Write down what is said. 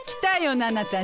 奈々ちゃん。